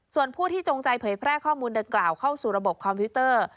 ส่วนผู้ที่จงใจเผยแพร่ข้อมูลดังกล่าวเข้าสู่ระบบคอมพิวเตอร์